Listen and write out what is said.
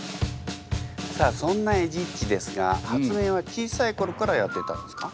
さあそんなエジっちですが発明は小さいころからやってたんですか？